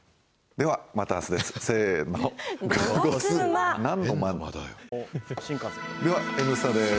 わぁ「Ｎスタ」です。